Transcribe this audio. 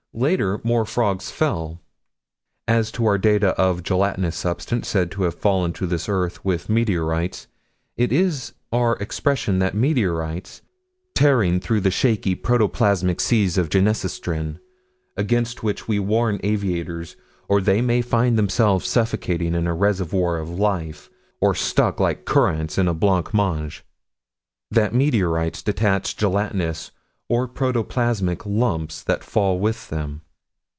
Later more frogs fell. As to our data of gelatinous substance said to have fallen to this earth with meteorites, it is our expression that meteorites, tearing through the shaky, protoplasmic seas of Genesistrine against which we warn aviators, or they may find themselves suffocating in a reservoir of life, or stuck like currants in a blanc mange that meteorites detach gelatinous, or protoplasmic, lumps that fall with them.